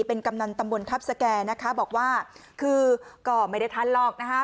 เป็นกำนันตำบลทัพสแก่นะคะบอกว่าคือก็ไม่ได้ทันหรอกนะคะ